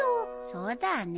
そうだね。